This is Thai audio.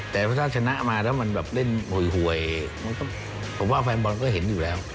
แต่ถ้าชนะมาแล้วมันแบบเล่นหวยผมว่าแฟนบอลก็เห็นอยู่แล้ว